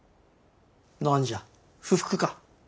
何じゃ不服か。